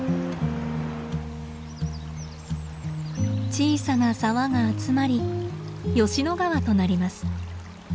小さな沢が集まり吉野川となります。